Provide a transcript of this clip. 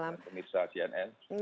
dan pemirsa cnn